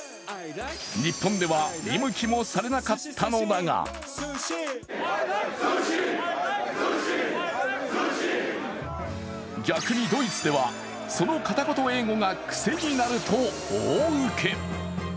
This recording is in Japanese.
日本では見向きもされなかったのだが逆にドイツでは、そのカタコト英語がくせになると大ウケ。